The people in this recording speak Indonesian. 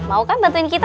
mau kan bantuin kita